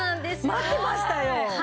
待ってましたよ。